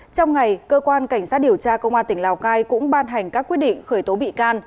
trong ngày cơ quan cảnh sát điều tra công an tỉnh lào cai cũng ban hành các quyết định khởi tố bị can